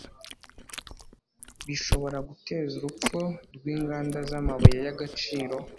bishoboraguteza urupfu rw'inganda z'amabuye y'agaciro